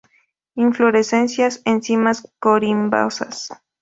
Inflorescencias en cimas corimbosas.